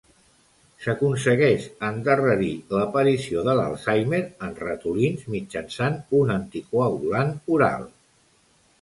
S'aconsegueix endarrerir l'aparició de l'Alzheimer en ratolins mitjançant un anticoagulant oral.